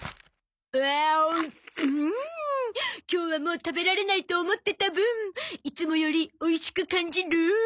今日はもう食べられないと思ってた分いつもよりおいしく感じる！